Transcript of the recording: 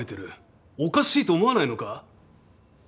おかしいと思わないのか？